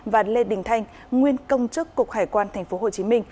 và lê đình thanh nguyên công chức cục hải quan tp hcm